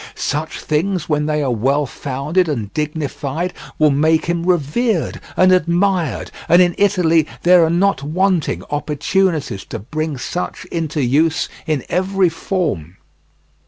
Such things when they are well founded and dignified will make him revered and admired, and in Italy there are not wanting opportunities to bring such into use in every form.